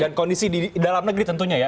dan kondisi di dalam negeri tentunya ya